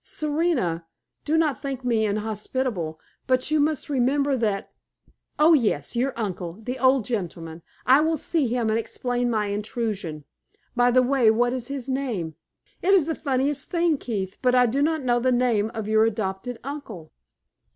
"Serena, do not think me inhospitable, but you must remember that " "Oh, yes! your uncle the old gentleman. I will see him and explain my intrusion. By the way, what is his name? It is the funniest thing, Keith, but I do not know the name of your adopted uncle."